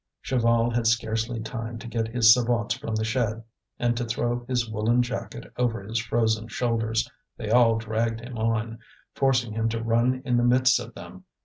Chaval had scarcely time to get his sabots from the shed and to throw his woollen jacket over his frozen shoulders. They all dragged him on, forcing him to run in the midst of them.